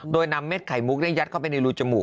โดยนำเม็ดไข่มุกได้ยัดเข้าไปในรูจมูก